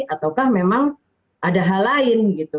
ataukah memang ada hal lain gitu